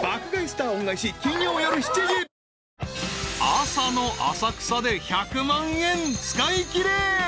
［朝の浅草で１００万円使いきれ］